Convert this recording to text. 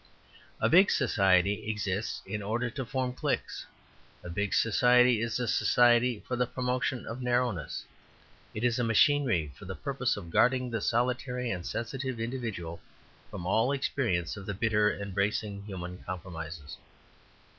A big society exists in order to form cliques. A big society is a society for the promotion of narrowness. It is a machinery for the purpose of guarding the solitary and sensitive individual from all experience of the bitter and bracing human compromises.